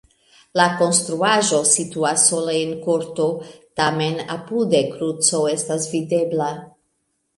La konstruaĵo situas sola en korto, tamen apude kruco estas videbla.